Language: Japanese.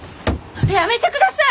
やめてください！